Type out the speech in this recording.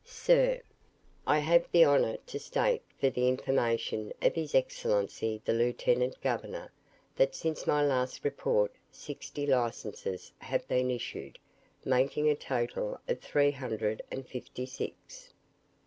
"Sir, "I have the honour to state for the information of his Excellency the Lieutenant Governor, that since my last report sixty licences have been issued, making a total of three hundred and fifty six.